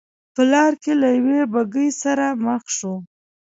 په لار کې له یوې بګۍ سره مخ شوم.